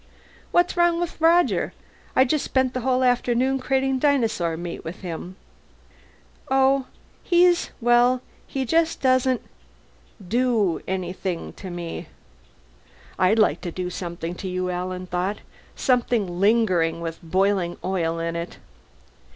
"What's wrong with Roger? I just spent a whole afternoon crating dinosaur meat with him." "Oh, he's well he just doesn't do anything to me." I'd like to do something to you, Alan thought. Something lingering, with boiling oil in it.